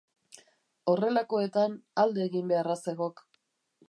Horrelakoetan, alde egin beharra zegok.